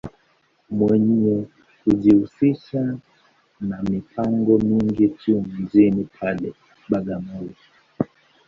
Mwenye kujihusisha ma mipango mingi tu mjini pale, Bagamoyo.